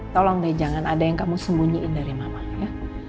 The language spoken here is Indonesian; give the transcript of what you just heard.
tolong deh jangan ada yang kamu sembunyiin dari mama ya